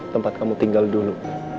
tempat kamu tinggal dulu